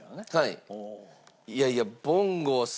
いやいや。